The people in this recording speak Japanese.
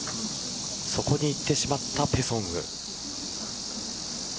そこにいってしまったペ・ソンウ。